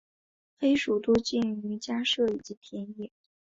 黑鼠多见于家舍以及田野。